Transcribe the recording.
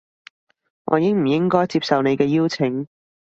我應唔應該接受你嘅邀請